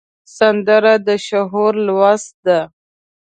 سندره د شعور لوست ده